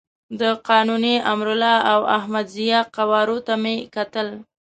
د قانوني، امرالله او احمد ضیاء قوارو ته مې کتل.